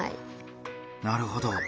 なるほど。